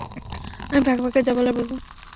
আমি ফাঁকে ফাঁকে যা বলার বলব।